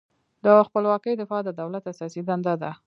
له خپلواکۍ دفاع د دولت اساسي دنده ده.